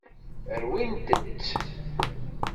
Rwint-tt.